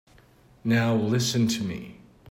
Now listen to me.